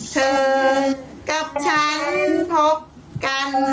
เธอกับฉันพบกัน